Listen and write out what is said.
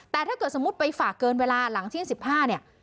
แต่ถ้าเกิดสมมุติไปฝากเกินเวลาหลังเที่ยง๑๕เนี่ย